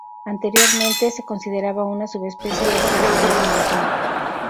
Anteriormente se consideraba una subespecie del carbonero montano.